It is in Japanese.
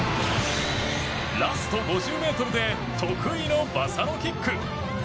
ラスト５０ｍで得意のバサロキック！